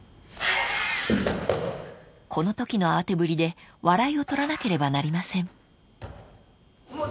［このときの慌てぶりで笑いを取らなければなりません］